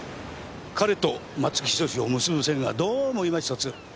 彼と松木弘を結ぶ線がどうも今ひとつ。